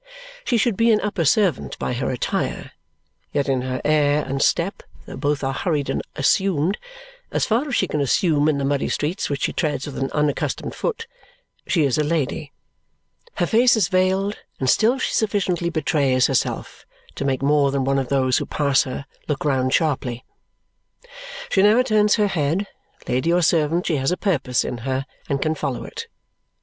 She should be an upper servant by her attire, yet in her air and step, though both are hurried and assumed as far as she can assume in the muddy streets, which she treads with an unaccustomed foot she is a lady. Her face is veiled, and still she sufficiently betrays herself to make more than one of those who pass her look round sharply. She never turns her head. Lady or servant, she has a purpose in her and can follow it.